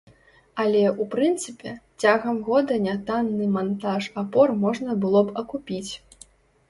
Але, у прынцыпе, цягам года нятанны мантаж апор можна было б акупіць.